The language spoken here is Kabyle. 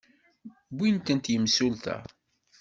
Wwin-tent yimsulta.